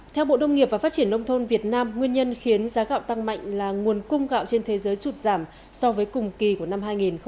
theo bộ đông nghiệp và phát triển nông thôn việt nam nguyên nhân khiến giá gạo tăng mạnh là nguồn cung gạo trên thế giới rụt giảm so với cùng kỳ của năm hai nghìn hai mươi hai